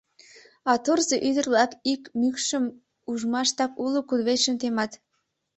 А Турзо ӱдыр-влак ик мӱкшым ужмаштак уло кудывечым темат.